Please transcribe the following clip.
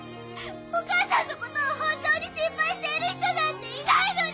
お母さんのことを本当に心配している人なんていないのに！